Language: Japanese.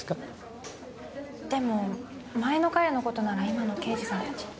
でも前の彼の事なら今の刑事さんたちに。